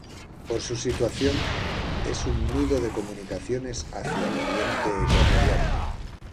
Por su situación, es un nudo de comunicaciones hacia el oriente ecuatoriano.